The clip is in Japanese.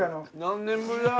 何年ぶりだ！